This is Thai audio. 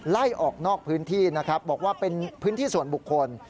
ไล่ออกนอกพื้นที่นะครับบอกว่าเป็นพื้นที่ส่วนบุคคล